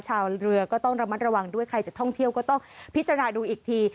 ชาวเรือก็ต้องระมัดระวังด้วยใครจะท่องเที่ยวก็ต้องพิจารณาดูอีกที